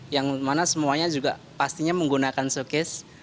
yang mana semuanya juga pastinya menggunakan showcase